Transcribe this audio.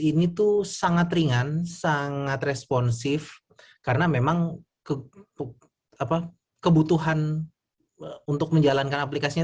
ini tuh sangat ringan sangat responsif karena memang kebutuhan untuk menjalankan aplikasinya